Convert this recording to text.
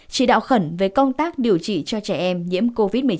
chỉ đạo khẩn về công tác điều trị cho trẻ em nhiễm covid một mươi chín